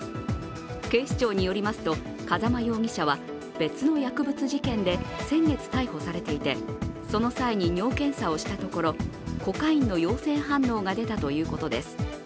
警視庁によりますと、風間容疑者は別の薬物事件で先月、逮捕されていて、その際に尿検査をしたところコカインの陽性反応が出たということです。